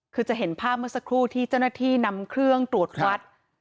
คือจะเห็นภาพเมื่อสักครู่ที่เจ้าหน้าที่นำเครื่องตรวจวัด